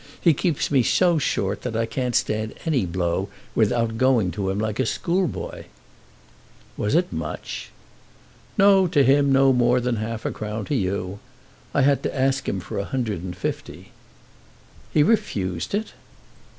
He keeps me so short that I can't stand any blow without going to him like a school boy." "Was it much?" "No; to him no more than half a crown to you. I had to ask him for a hundred and fifty." "He refused it!"